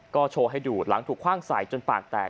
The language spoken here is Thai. ก็โชว์ให้ดูหลังถูกคว่างใส่จนปากแตก